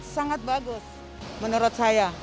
sangat bagus menurut saya